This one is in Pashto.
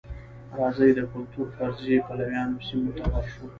راځئ د کلتور فرضیې پلویانو سیمې ته ورشو.